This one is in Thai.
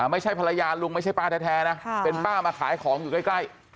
ไม่ใช่ภรรยาลุงไม่ใช่ป้าแท้นะเป็นป้ามาขายของอยู่ใกล้